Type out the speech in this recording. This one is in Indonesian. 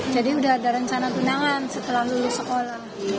jadi sudah ada rencana tunangan setelah lulus sekolah